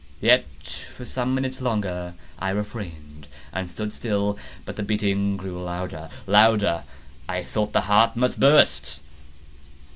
Yet, for some minutes longer I refrained and stood still. But the beating grew louder, louder! I thought the heart must burst.